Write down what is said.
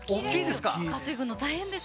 稼ぐの大変です